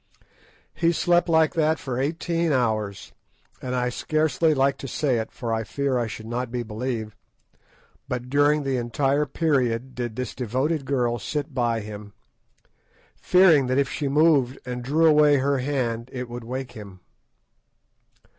He slept like that for eighteen hours; and I scarcely like to say it, for fear I should not be believed, but during the entire period did this devoted girl sit by him, fearing that if she moved and drew away her hand it would wake him.